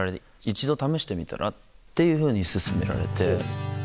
「一度試してみたら？」っていうふうに勧められて。